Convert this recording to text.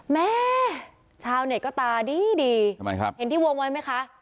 แม่ชาวเน็ตก็ตาดีดีทำไมครับเห็นที่วงไว้ไหมคะ